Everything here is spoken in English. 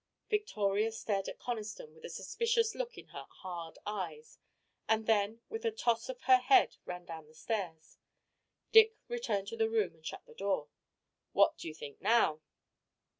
Victoria stared at Conniston with a suspicious look in her hard eyes, and then with a toss of her head ran down the stairs. Dick returned to the room and shut the door. "What do you think now?"